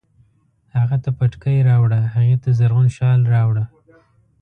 هغه ته پټکی راوړه، هغې ته زرغون شال راوړه